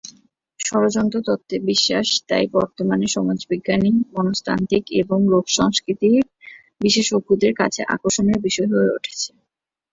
ষড়যন্ত্র তত্ত্বে বিশ্বাস তাই বর্তমানে সমাজবিজ্ঞানী, মনস্তাত্ত্বিক, এবং লোকসংস্কৃতির বিশেষজ্ঞদের কাছে আকর্ষণের বিষয় হয়ে উঠেছে।